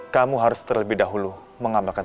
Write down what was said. kamu harus terlebih dahulu mengamalkan